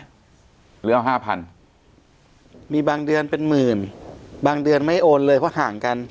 เหลือเอาห้าพันมีบางเดือนเป็นหมื่นบางเดือนไม่โอนเลยเพราะห่างกัน